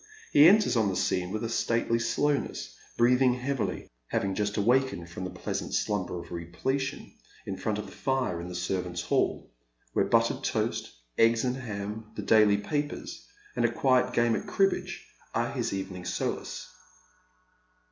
He enters on the scene with a stately slowness, breathing heavily, having juet been awakened from the pleasant slumber of repletion in front of the fire in the servants' hall, where buttered toast, egps and ham, the daily papers, and a quiet game at cribbage are his evening solace.